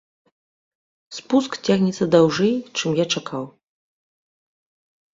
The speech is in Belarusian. Спуск цягнецца даўжэй, чым я чакаў.